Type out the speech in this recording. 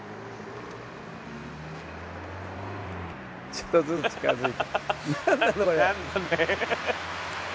ちょっとずつ近づいて。